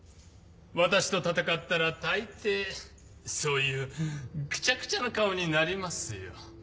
私と戦ったら大抵そういうクチャクチャな顔になりますよ。